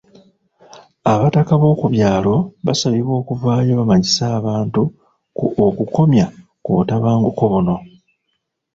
Abataka b'oku byalo basabibwa okuvaayo bamanyise abantu ku okukomya obutabanguko buno.